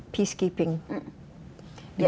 peace keeping di gaza